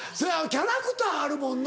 キャラクターあるもんな。